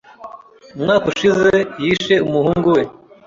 Umwaka ushize yishe umuhungu we.